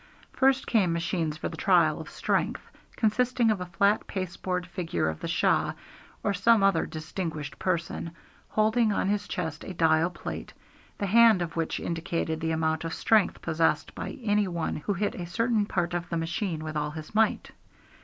First came machines for the trial of strength, consisting of a flat pasteboard figure of the Shah, or some other distinguished person, holding on his chest a dial plate, the hand of which indicated the amount of strength possessed by any one who hit a certain part of the machine with all his might.